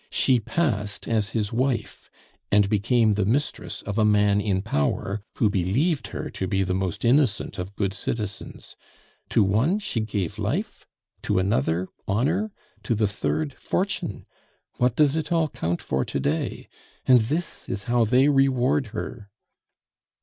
She passed as his wife and became the mistress of a man in power, who believed her to be the most innocent of good citizens. To one she gave life, to another honor, to the third fortune what does it all count for to day? And this is how they reward her!"